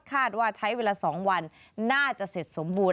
คาดว่าใช้เวลา๒วันน่าจะเสร็จสมบูรณ